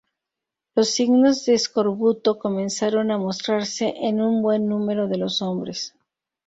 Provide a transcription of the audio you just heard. Los signos de escorbuto comenzaron a mostrarse en un buen número de los hombres.